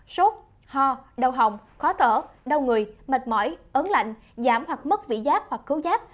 sốt ho đau hồng khó thở đau người mệt mỏi ớn lạnh giảm hoặc mất vị giáp hoặc cấu giáp